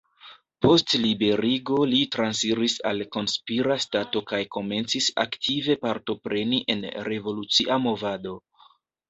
Post liberigo li transiris al konspira stato kaj komencis aktive partopreni en revolucia movado.